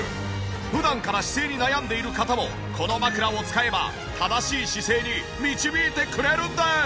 普段から姿勢に悩んでいる方もこの枕を使えば正しい姿勢に導いてくれるんです。